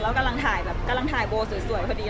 เรากำลังกดุโบซวยพอดี